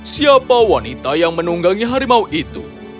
siapa wanita yang menunggangi harimau itu